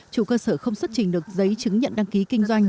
chủ cơ sở không xuất trình được giấy chứng nhận đăng ký kinh doanh